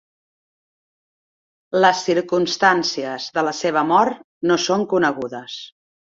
Les circumstàncies de la seva mort no són conegudes.